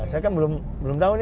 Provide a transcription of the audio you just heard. saya kan belum tau